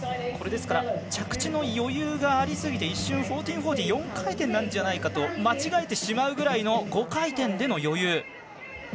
着地の余裕がありすぎて一瞬１４４０４回転なんじゃないかと間違えてしまうくらいの５回転での余裕。